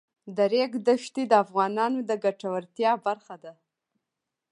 د ریګ دښتې د افغانانو د ګټورتیا برخه ده.